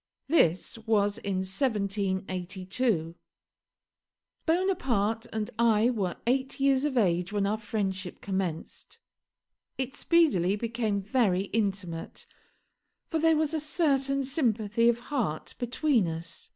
This was in 1782. Bonaparte and I were eight years of age when our friendship commenced. It speedily became very intimate, for there was a certain sympathy of heart between us.